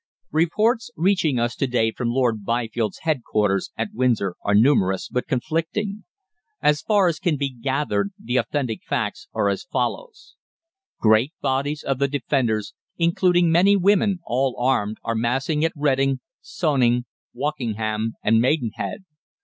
"Reports reaching us to day from Lord Byfield's headquarters at Windsor are numerous, but conflicting. As far as can be gathered, the authentic facts are as follows: Great bodies of the Defenders, including many women, all armed, are massing at Reading, Sonning, Wokingham, and Maidenhead.